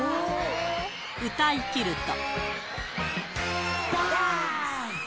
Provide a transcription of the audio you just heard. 歌いきると。